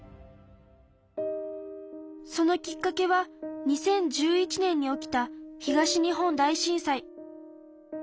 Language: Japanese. そのきっかけは２０１１年に起きた東日本大震災。